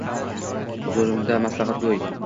Huzurimda maslahatgo’y